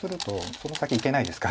その先いけないですから。